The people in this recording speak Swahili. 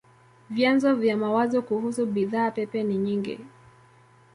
Vyanzo vya mawazo kuhusu bidhaa pepe ni nyingi.